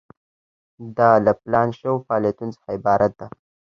دا له پلان شوو فعالیتونو څخه عبارت ده.